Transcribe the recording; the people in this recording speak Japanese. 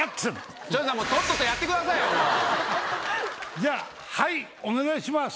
じゃあはいお願いします。